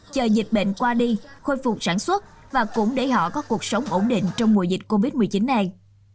chờ dịch bệnh qua đi khôi phục sản xuất và cũng để họ có cuộc sống ổn định trong mùa dịch covid một mươi chín này